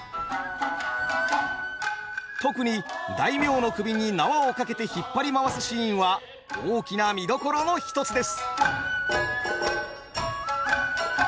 特に大名の首に縄を掛けて引っ張り回すシーンは大きな見どころの一つです。